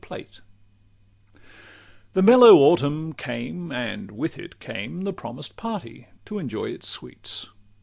LXXV The mellow autumn came, and with it came The promised party, to enjoy its sweets.